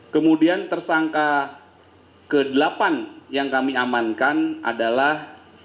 kemudian tersangka kz yang kami amankan adalah